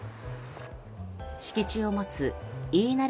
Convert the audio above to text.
敷地を持つ飯生